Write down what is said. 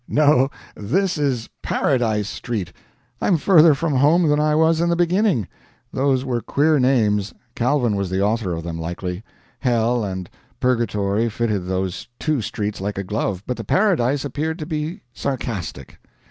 no, this is 'PARADISE street'; I'm further from home than I was in the beginning." Those were queer names Calvin was the author of them, likely. "Hell" and "Purgatory" fitted those two streets like a glove, but the "Paradise" appeared to be sarcastic.